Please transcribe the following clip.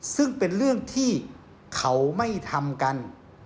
ซึ่งเป็นเรื่องที่เขาไม่ทำกัน